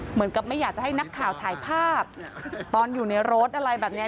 เหมือนกับไม่อยากจะให้นักข่าวถ่ายภาพตอนอยู่ในรถอะไรแบบนี้